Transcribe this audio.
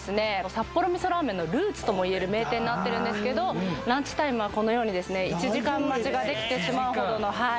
札幌味噌ラーメンのルーツともいえる名店になってるんですけどランチタイムはこのようにですね１時間待ちができてしまうほどのはい